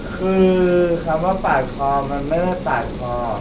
คือคำว่าปาดคอมันไม่ได้ปาดคอ